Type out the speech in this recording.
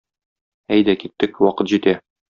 Әйдә, киттек, вакыт җитә.